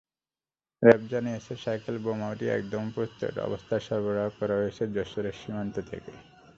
RAB জানিয়েছে, সাইকেলবোমাটি একদম প্রস্তুত অবস্থায় সরবরাহ করা হয়েছে যশোরের সীমান্ত থেকে।